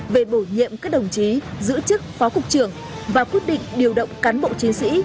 về bổ nhiệm các đồng chí giữ chức phó cục trưởng và quyết định điều động cán bộ chiến sĩ